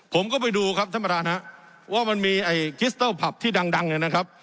ผมก็ไปดูครับท่านประธานฮะว่ามันมีไอ้คิสเตอร์ผับที่ดังเนี่ยนะครับ